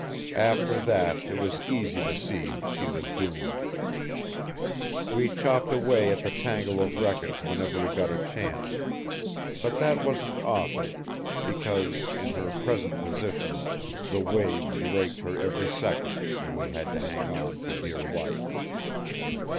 "After that it was easy to see she was doomed. We chopped away at the tangle of wreckage whenever we got a chance, but that wasn't often, because, in her present position, the waves raked her every second and we had to hang on for dear life.